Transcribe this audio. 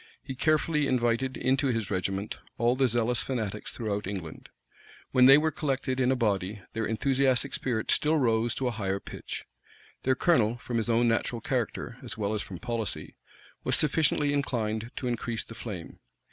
He carefully invited into his regiment all the zealous fanatics throughout England. When they were collected in a body, their enthusiastic spirit still rose to a higher pitch. Their colonel, from his own natural character, as well as from policy, was sufficiently inclined to increase the flame.